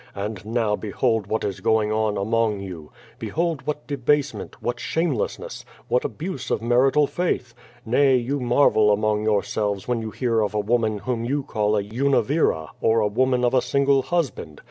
And now ])ehold what is going on among you! l^ohold what debasement, what shamelessness, what alnise of marital faith. ^^Yf y^^ marvel among yourselves when you hear of a wo man whom you call a nnivira, or a woman of a single hus l)and.